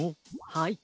はい。